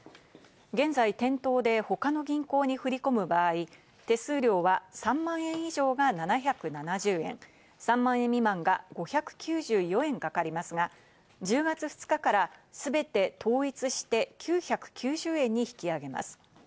現在、店頭で他の銀行に振り込む場合、手数料は３万円以上が７７０円、３万円未満が５９４円かかりますが、１０月２日から全て統一して、９９０円に引き上げます。